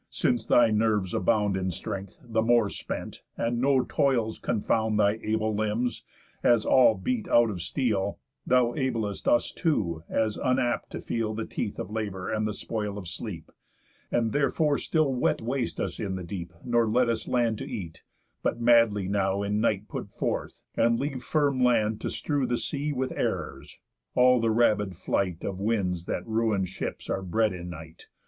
Since thy nerves abound In strength, the more spent, and no toils confound Thy able limbs, as all beat out of steel, Thou ablest us too, as unapt to feel The teeth of Labour, and the spoil of Sleep, And therefore still wet waste us in the deep, Nor let us land to eat, but madly now In night put forth, and leave firm land to strew The sea with errors. All the rabid flight Of winds that ruin ships are bred in night.